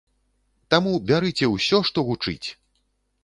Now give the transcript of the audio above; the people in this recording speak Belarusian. Таму бярыце ўсё, што гучыць!